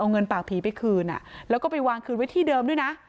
เอาเงินปากผีไปคืนแล้วก็ไปวางคืนไว้ที่เดิมด้วยนะ